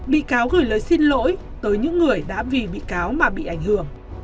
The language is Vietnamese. bị cáo gửi lời xin lỗi tới những người đã vì bị cáo mà bị ảnh hưởng